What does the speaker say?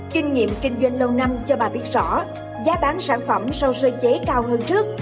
kinh nghiệm kinh doanh lâu năm cho bà biết rõ giá bán sản phẩm sau sơ chế cao hơn trước